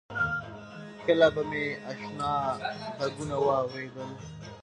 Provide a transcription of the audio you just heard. کله به مې آشنا غږونه واورېدل.